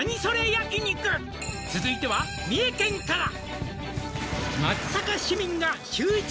焼肉」「続いては三重県から」